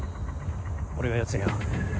俺がヤツに会う。